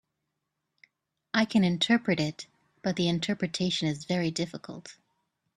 I can interpret it, but the interpretation is very difficult.